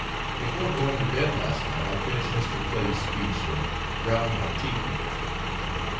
Before going to bed last night I finished Mr. Clay's speech, and ground my teeth over it.